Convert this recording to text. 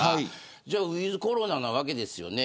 じゃあウィズコロナなわけですよね。